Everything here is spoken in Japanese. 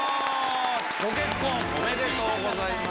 ご結婚おめでとうございます。